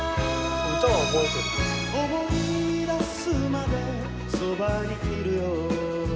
「思い出すまでそばにいるよ」